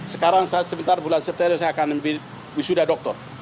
sekarang saya sementara bulan september saya akan ambil wisuda doktor